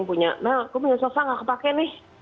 yang punya nah aku punya sofa nggak kepake nih